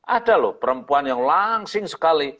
ada loh perempuan yang langsing sekali